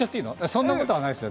そんなことはないですよ。